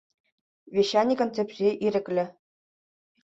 Вещани концепцийӗ – «ирӗклӗ».